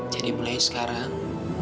jadi mulai sekarang